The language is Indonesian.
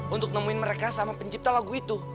untuk nemuin mereka sama pencipta lagu itu